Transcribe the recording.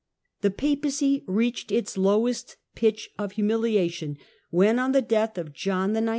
The Papacy reached its lowest pitch of humiliation when, on the death of John XIX.